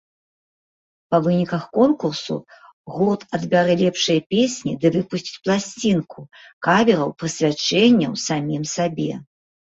Па выніках конкурсу гурт адбярэ лепшыя песні ды выпусціць пласцінку кавераў-прысвячэнняў самім сабе.